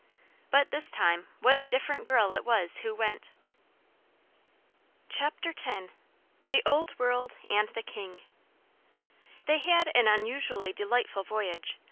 But this time what a different girl it was who went! X THE OLD WORLD AND THE KING They had an unusually delightful voyage.